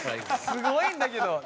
すごいんだけど！